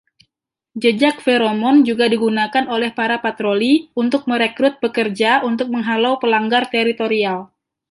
Jejak feromon juga digunakan oleh para patroli untuk merekrut pekerja untuk menghalau pelanggar teritorial.